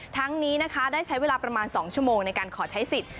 ทั้งนี้นะคะได้ใช้เวลาประมาณ๒ชั่วโมงในการขอใช้สิทธิ์